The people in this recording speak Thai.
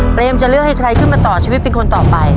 เปรมจะเลือกให้ใครขึ้นมาต่อชีวิตเป็นคนต่อไป